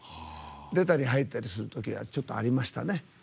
出たり入ったりするときがちょっとありましたね。